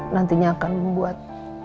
nantinya akan membuat